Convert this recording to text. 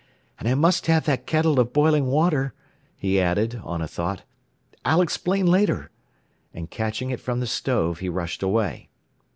"And I must have that kettle of boiling water," he added, on a thought. "I'll explain later." And catching it from the stove, he rushed away.